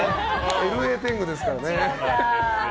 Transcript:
ＬＡ天狗ですからね。